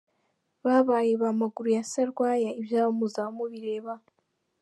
Babaye ba maguru ya sarwaya ibyabo muzaba mubireba.